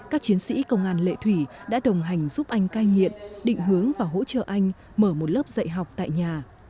các chiến sĩ công an lệ thủy đã đồng hành giúp anh cai nghiện định hướng và hỗ trợ anh mở một lớp dạy học tại nhà